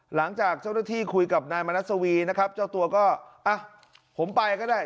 หลังจากเจ้าหน้าที่คุยกับนายมนัสวีนะครับเจ้าตัวก็อ่ะผมไปก็ได้